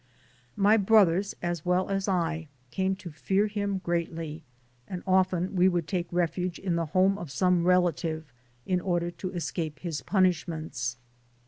My brothers as well as I came to fear him greatly and often we would take refuge in the home of some relative in order to escape his punish ments.